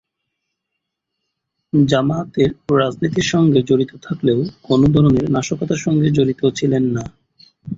জামায়াতের রাজনীতির সঙ্গে জড়িত থাকলেও কোনো ধরনের নাশকতার সঙ্গে জড়িত ছিলেন না।